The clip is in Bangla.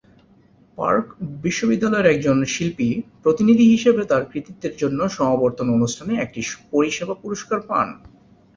পার্ক বিশ্ববিদ্যালয়ের একজন শিল্পী প্রতিনিধি হিসাবে তার কৃতিত্বের জন্য সমাবর্তন অনুষ্ঠানে একটি পরিষেবা পুরস্কার পান।